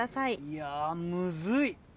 いやむずい。